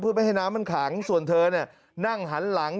เพื่อไม่ให้น้ำมันขังส่วนเธอนั่งหันหลัง